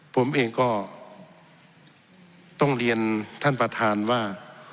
ผมเองก็ต้องเรียนท่านประธานว่า